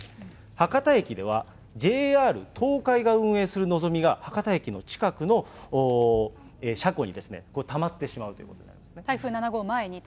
博多駅では、ＪＲ東海が運営するのぞみが博多駅の近くの車庫にたまってしまう台風７号前にと。